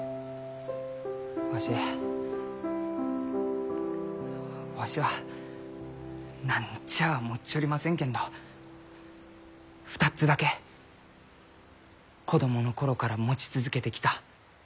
わしわしは何ちゃあ持っちょりませんけんど２つだけ子供の頃から持ち続けてきた大切なものがありました。